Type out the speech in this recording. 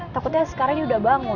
takutnya sekarang ini udah bangun